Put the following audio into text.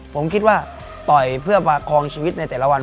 ผมคิดว่าต่อยเพื่อประคองชีวิตในแต่ละวัน